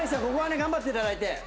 ここは頑張っていただいて。